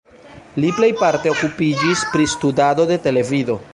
Li plejparte okupiĝis pri studado de televido.